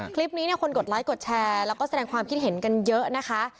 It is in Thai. คลิปนี้เนี่ยคนกดไลค์กดแชร์แล้วก็แสดงความคิดเห็นกันเยอะนะคะ